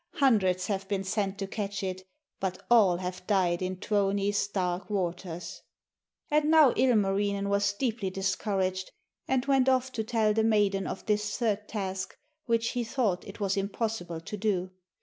Hundreds have been sent to catch it, but all have died in Tuoni's dark waters.' And now Ilmarinen was deeply discouraged, and went off to tell the maiden of this third task, which he thought it was impossible to do.